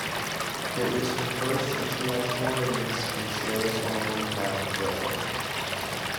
It was the first international release from Cher's album "Half-Breed".